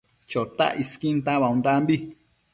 Chotac isquin tauaondambi